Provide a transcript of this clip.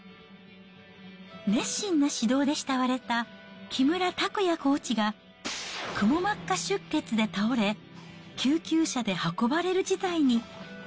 熱心な指導で慕われた木村拓也コーチが、くも膜下出血で倒れ、救急車で運ばれる事態に。